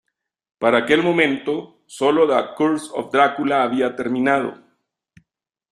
Para aquel momento, solo "The Curse Of Dracula" había terminado.